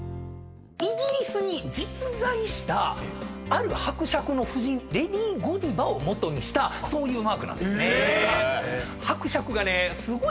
イギリスに実在したある伯爵の夫人レディ・ゴディバを基にしたそういうマークなんですね。